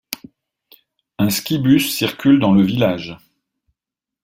Un skibus circule dans le village.